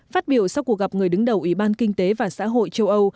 phát biểu sau cuộc gặp người đứng đầu ủy ban kinh tế và xã hội châu âu